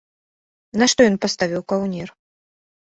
Нашто ён паставіў каўнер?